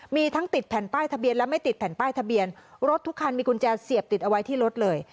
มีทั้งติดแผ่นป้ายทะเบียนและไม่ติดแผ่นป้ายทะเบียนรถทุกคันมีกุญแจเสียบติดเอาไว้ที่รถเลย